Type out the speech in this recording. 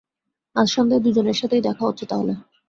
আজ সন্ধ্যায় দুজনের সাথেই দেখা হচ্ছে তাহলে।